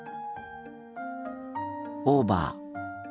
オーバー。